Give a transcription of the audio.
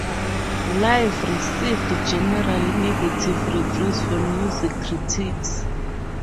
"Live" received generally negative reviews from music critics.